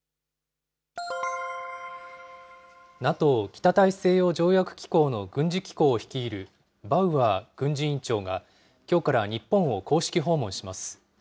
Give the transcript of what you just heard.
ＮＡＴＯ・北大西洋条約機構の軍事機構を率いるバウアー軍事委員長が、きょうから日本を公式訪問します。